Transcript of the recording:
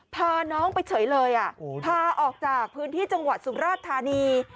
พาน้องไปเฉยเลยพาออกจากพื้นที่จังหวัดสุราชธานี